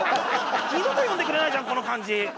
二度と呼んでくれないじゃんこの感じ。